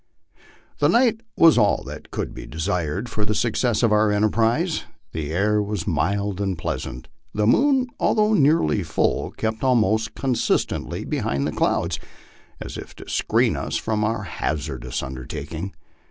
The night was all that could be desired for the success of our enterprise. The air was mild and pleasant ; the moon, although nearly full, kept almost constantly behind the clouds, as if to screen us in our hazardous undertaking.